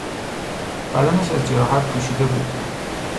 بدنش از جراحت پوشیده بود.